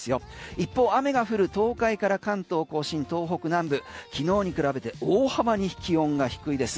一方雨が降る東海から関東・甲信、東北南部昨日に比べて大幅に気温が低いです。